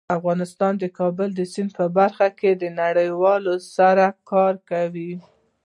افغانستان د کابل سیند په برخه کې له نړیوالو سره کار کوي.